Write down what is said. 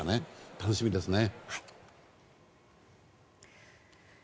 楽しみですよね。